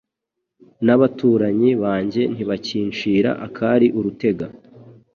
n’abaturanyi banjye ntibakincira akari urutega